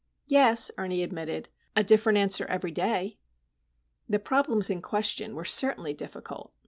"Yes," Ernie admitted: "a different answer every day." The problems in question were certainly difficult.